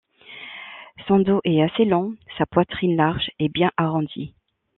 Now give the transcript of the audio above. Son dos est assez long sa poitrine large et bien arrondie.